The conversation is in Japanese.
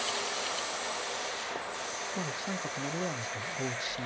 まあ６三角成ではなく５一飛車